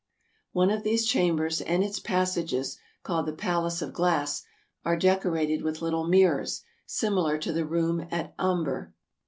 One of these chambers and its passages, called the Palace of Glass, are decorated with little mirrors, simi lar to the room at Ambher.